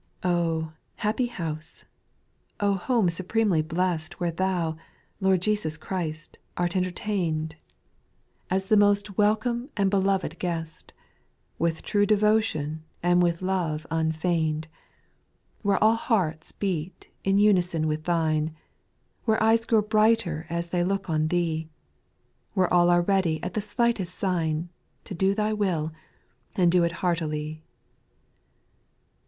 /^H, happy house ! home supremely blest \j Where Thou, Lord Jesus Christ, art entertained, 27* 806 SPIRITUAL SONGS. As the most welcome and beloved guest, With true devotion and with love unfeign'd ; Where all hearts beat in unison with Thine, Where eyes grow brighter as they look on Thee, Where all are ready at the slightest sign, To do Thy will, and do it heartily.